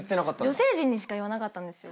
女性陣にしか言わなかったんです。